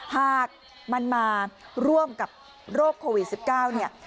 หากมันมาร่วมกับโรคโควิด๑๙เนี่ย